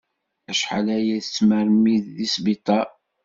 Acḥal aya i tettmermid di sbiṭar.